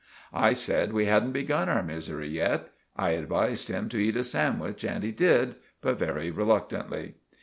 I said we hadn't begun our missery yet. I advised him to eat a sandwich and he did, but very reluctantly.